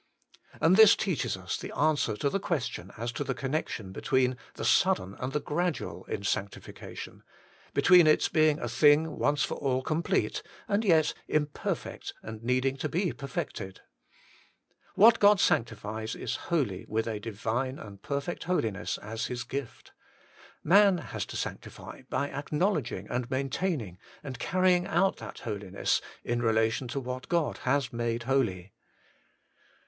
And this teaches us the answer to the question as to the connection between the sudden and the gradual in sanctifi cation : between its being a thing once for all complete, and yet imperfect and needing to be perfected. What God sanctifies is holy with a Divine and perfect holiness as His gift : man has to sanctify by acknowledging and maintaining and carrying out that holiness in relation to what God has made holy.